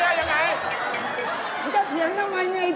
มึงก็เถียงทำไมเนี่ย